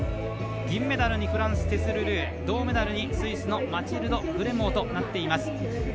銀メダルにフランスのテス・ルドゥー銅メダルにスイスのマチルド・グレモーとなっています。